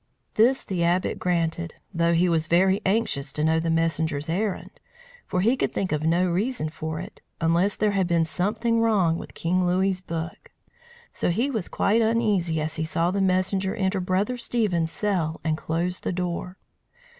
This the Abbot granted, though he was very anxious to know the messenger's errand; for he could think of no reason for it, unless there had been something wrong with King Louis's book. So he was quite uneasy as he saw the messenger enter Brother Stephen's cell and close the door.